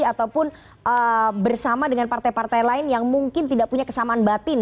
ataupun bersama dengan partai partai lain yang mungkin tidak punya kesamaan batin